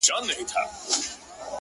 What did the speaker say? له هغه وخته مو خوښي ليدلې غم نه راځي،